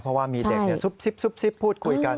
เพราะว่ามีเด็กซุบพูดคุยกัน